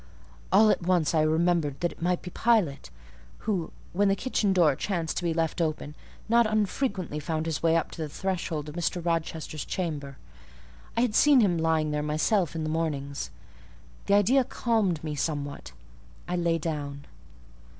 All at once I remembered that it might be Pilot, who, when the kitchen door chanced to be left open, not unfrequently found his way up to the threshold of Mr. Rochester's chamber: I had seen him lying there myself in the mornings. The idea calmed me somewhat: I lay down.